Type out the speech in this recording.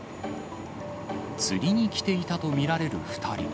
釣りに来ていたと見られる２人。